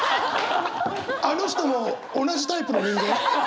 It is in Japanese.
あの人も同じタイプの人間？